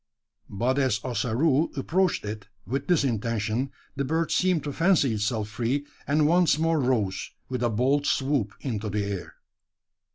But as Ossaroo approached it with this intention, the bird seemed to fancy itself free, and once more rose, with a bold swoop, into the air.